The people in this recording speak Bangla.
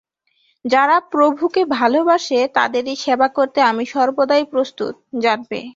যারা প্রভুকে ভালবাসে, তাদেরই সেবা করতে আমি সর্বদাই প্রস্তুত, জানবে।